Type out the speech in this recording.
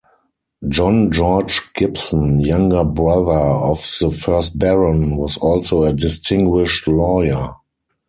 John George Gibson, younger brother of the first Baron, was also a distinguished lawyer.